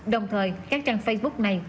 đồng thời các trang facebook này